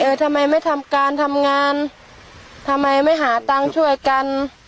ทำไมไม่ทำการทำงานทำไมไม่หาตังค์ช่วยกัน